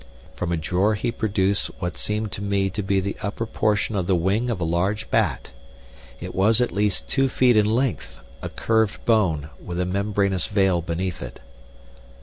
From a drawer he produced what seemed to me to be the upper portion of the wing of a large bat. It was at least two feet in length, a curved bone, with a membranous veil beneath it.